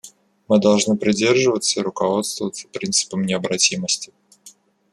Мы должны придерживаться и руководствоваться принципом необратимости.